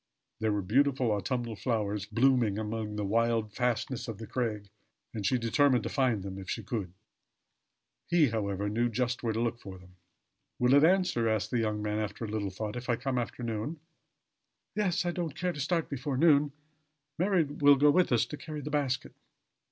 There were beautiful autumnal flowers blooming amid the wild fastnesses of the crag, and she determined to find them if she could. He, however knew just where to look for them. "Will it answer," asked the young man after a little thought, "if I come after noon?" "Yes I don't care to start before noon. Mary will go with us to carry the basket."